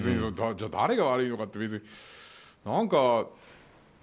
誰が悪いのかって別に。